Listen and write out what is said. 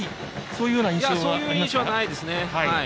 そういう印象はないですね。